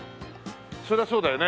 そりゃそうだよね。